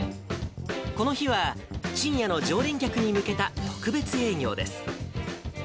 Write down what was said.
この日はちんやの常連客に向けた特別営業です。